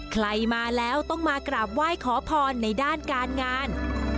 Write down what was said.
ใครมาแล้วต้องมากราบไหว้ขอพรในด้านการงาน